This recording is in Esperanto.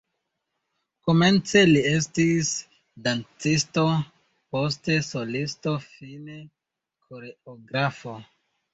Komence li estis dancisto, poste solisto, fine koreografo.